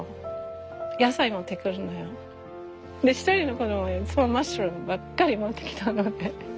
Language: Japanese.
１人の子供はいつもマッシュルームばっかり持ってきたの。